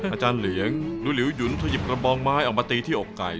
อาจารย์เหลืองหรือหลิวหยุนเธอหยิบกระบองไม้ออกมาตีที่อกไก่